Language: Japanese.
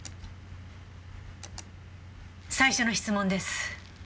最初の質問です。